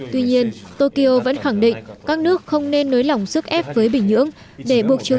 tuy nhiên tokyo vẫn khẳng định các nước không nên nới lỏng sức ép với bình nhưỡng để buộc triều